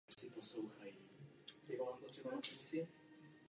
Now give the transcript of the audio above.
Její aplikace a mechanismus je totiž mnohem jednodušší.